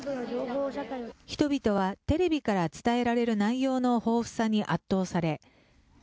人々はテレビから伝えられる内容の豊富さに圧倒され。